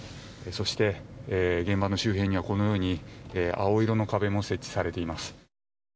そして現場の周辺には青色の壁も設置されています。